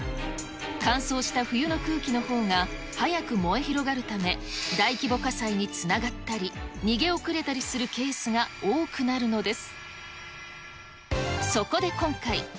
乾燥した冬の空気のほうが、早く燃え広がるため、大規模火災につながったり、逃げ遅れたりするケースが多くなるのです。